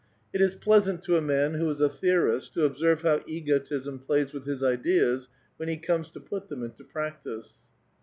It is pleasant to a man who is a theorist to observe how egotism plays with his ideas when he comes to put them into practice."